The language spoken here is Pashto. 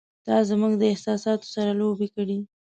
“تا زموږ له احساساتو سره لوبې کړې!